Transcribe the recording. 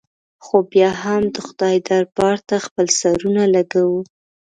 خو بیا هم د خدای دربار ته خپل سرونه لږوو.